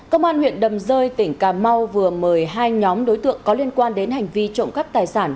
công an huyện đầm rơi tỉnh cà mau vừa mời hai nhóm đối tượng có liên quan đến hành vi trộm cắp tài sản